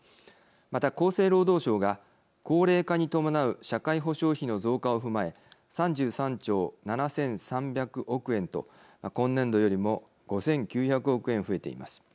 また、厚生労働省が高齢化に伴う社会保障費の増加を踏まえ３３兆７３００億円と今年度よりも５９００億円増えています。